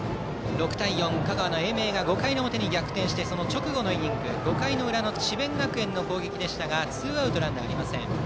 ６対４、香川の英明が５回の表に逆転してその直後のイニング５回の裏の智弁学園の攻撃ですがツーアウト、ランナーありません。